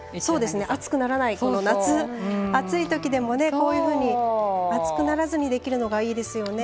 暑くならない夏、暑いときでも暑くならずにできるのがいいですよね。